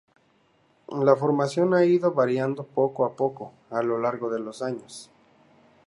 La formación ha ido variando poco a poco a lo largo de los años.